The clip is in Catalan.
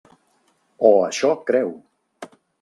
O això creu.